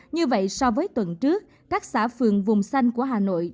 như vậy so với tuần trước các xã phường vùng xanh của hà nội